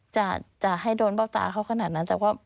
จะให้โดนเบ้าตาเขาขนาดนั้นแต่ว่า